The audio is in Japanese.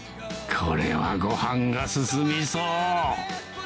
これはご飯が進みそう！